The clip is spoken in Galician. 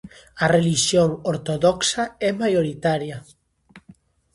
A relixión ortodoxa é maioritaria.